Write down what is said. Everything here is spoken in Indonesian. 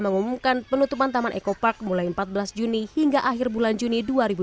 mengumumkan penutupan taman eco park mulai empat belas juni hingga akhir bulan juni dua ribu dua puluh